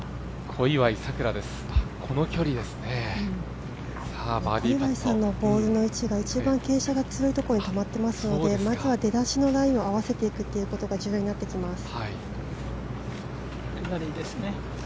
小祝さんのボールの位置が一番傾斜の強いところに止まっていますのでまずは出だしのライを合わせていくということが重要になってきます。